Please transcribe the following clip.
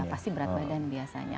pasti berat badan biasanya